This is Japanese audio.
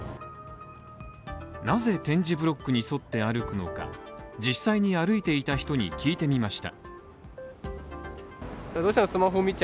なぜ点字ブロックに沿って歩くのか、実際に歩いていた人に聞いてみました。